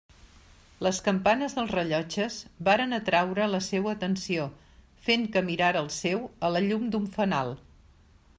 Les campanes dels rellotges varen atraure la seua atenció, fent que mirara el seu a la llum d'un fanal.